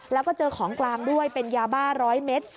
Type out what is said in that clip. แล้วก็เจอของกลางด้วยเป็นยาบ้า๑๐๐เมตร